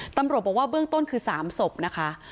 ตำรวจบอกว่าเบื้องต้นคือ๓ศพนะคะ